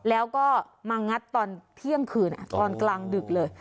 แล้วก็มางัดตอนเที่ยงคืนตอนกลางดึกเลย